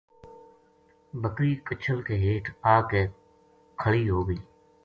بکری کچھل کے ہیٹھ آ کے کھلی ہو گئی